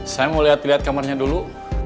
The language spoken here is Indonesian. saya mau lihat lihat kamarnya dulu